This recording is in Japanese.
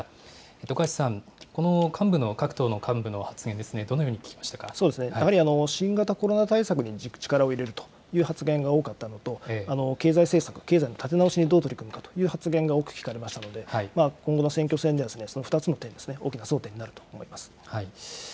徳橋さん、この幹部の、各党の幹部の発言ですね、どのように聞きやはり新型コロナ対策に力を入れるという発言が多かったのと、経済政策、経済の立て直しにどう取り組むかという発言が多く聞かれましたので、今後の選挙戦では、その２つの点、大きな争点になると思います。